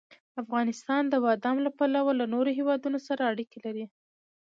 افغانستان د بادام له پلوه له نورو هېوادونو سره اړیکې لري.